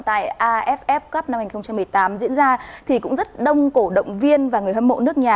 tại aff cup năm hai nghìn một mươi tám diễn ra thì cũng rất đông cổ động viên và người hâm mộ nước nhà